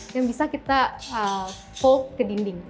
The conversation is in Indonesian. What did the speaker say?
yang bisa kita pold ke dinding